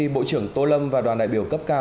bộ trưởng tô lâm và đoàn đại biểu cấp cao